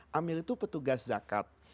maka dia mengambil bagian dari zakat